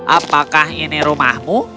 apakah ini rumahmu